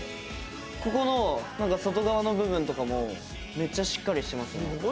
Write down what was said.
ここの外側の部分とかもめっちゃしっかりしてますね。